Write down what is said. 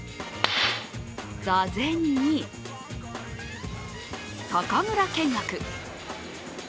座禅に、酒蔵見学。